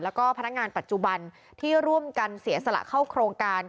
แล้วก็พนักงานปัจจุบันที่ร่วมกันเสียสละเข้าโครงการ